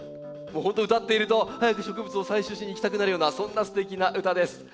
本当歌っていると早く植物を採集しに行きたくなるようなそんなすてきな歌です。